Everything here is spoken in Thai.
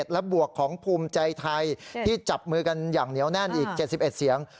และบวกของภูมิใจไทยที่จับมือกันอย่างเหนียวแน่นอีก๗๑เสียง